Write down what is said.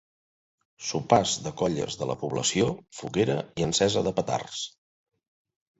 Sopars per colles de la població, foguera i encesa de petards.